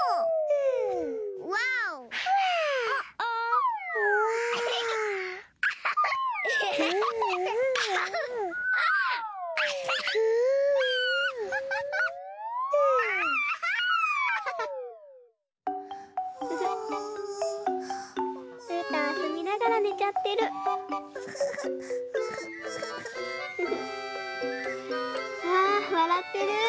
うわわらってる。